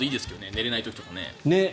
寝れない時とかね。